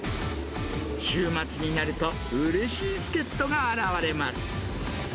週末になると、うれしい助っ人が現れます。